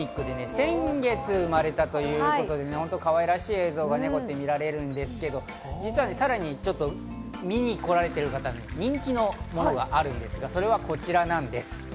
先月生まれたということで本当にかわいらしい映像が見られるんですけど、見に来られている方に人気のものがあるんですが、それがこちらなんです。